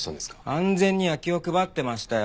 安全には気を配ってましたよ。